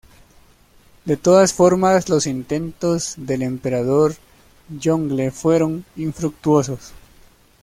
De todas formas, los intentos del emperador Yongle fueron infructuosos.